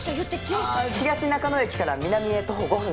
東中野駅から南へ徒歩５分です。